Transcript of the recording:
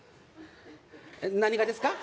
何がですか？